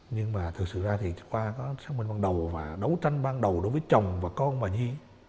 nhưng mà thực sự ra thì qua có xác minh ban đầu và đấu tranh ban đầu đối với chồng và con bà nhi